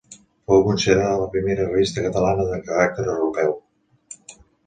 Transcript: Fou considerada la primera revista catalana de caràcter europeu.